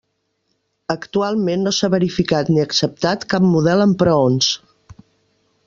Actualment no s'ha verificat ni acceptat cap model amb preons.